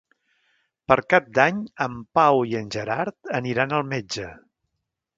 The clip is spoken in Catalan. Per Cap d'Any en Pau i en Gerard aniran al metge.